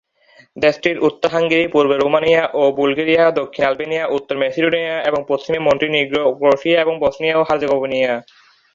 দেশটির উত্তরে হাঙ্গেরি, পূর্বে রোমানিয়া ও বুলগেরিয়া, দক্ষিণে আলবেনিয়া ও উত্তর মেসিডোনিয়া, এবং পশ্চিমে মন্টিনিগ্রো, ক্রোয়েশিয়া এবং বসনিয়া ও হার্জেগোভিনা।